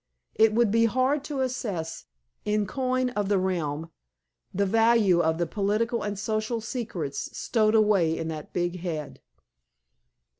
It would be hard to assess, in coin of the realm, the value of the political and social secrets stowed away in that big head.